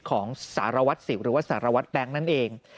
ของสารวัตรสิวหรือว่าสารวัตรแบงค์นั่นเอง